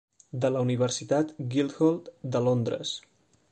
de la Universitat Guildhall de Londres.